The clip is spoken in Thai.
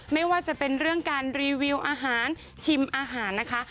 ไม่ว่าจะเป็นเรื่องการรีวิวอาหารชิมอาหารนะคะ